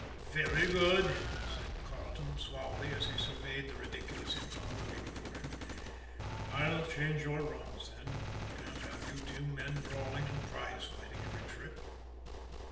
"Very good," said Carleton suavely, as he surveyed the ridiculous incongruity before him. "I'll change your runs, then. I can't have you two men brawling and prize fighting every trip."